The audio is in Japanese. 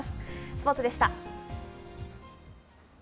スポーツでした。